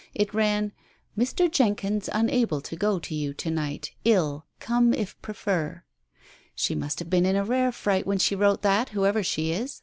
It ran — "Mr. Jenkyns unable to go to you to night. 111. Come if prefer." "She must have been in a rare fright when she wrote that, whoever she is